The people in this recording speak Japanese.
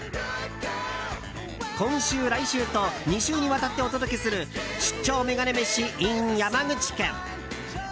今週、来週と２週にわたってお届けする出張メガネ飯ｉｎ山口県。